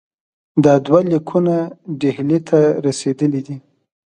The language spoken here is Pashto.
دا دوه لیکونه ډهلي ته رسېدلي دي.